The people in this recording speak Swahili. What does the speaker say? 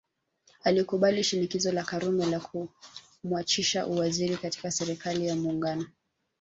Alikubali shinikizo la Karume la kumwachisha uwaziri katika Serikali ya Muungano